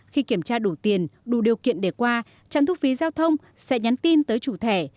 khi kiểm tra đủ tiền đủ điều kiện để qua trang thu phí giao thông sẽ nhắn tin tới chủ thẻ